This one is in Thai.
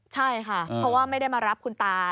ใช่ค่ะเพราะว่าไม่ได้มารับคุณตา